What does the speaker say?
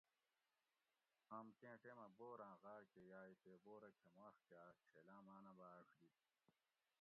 آم کیں ٹیمہ بوران غاۤر کہ یاۤگ تے بورہ کھماش کۤا چھیلاۤں ماۤنہ باۤڛ دِت